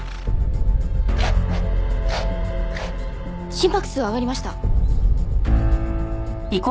心拍数上がりました。